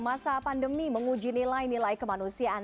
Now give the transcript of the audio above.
masa pandemi menguji nilai nilai kemanusiaan